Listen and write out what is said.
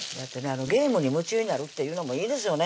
ゲームに夢中になるっていうのもいいですよね